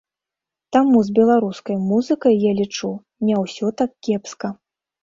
Таму з беларускай музыкай, я лічу, не ўсё так кепска.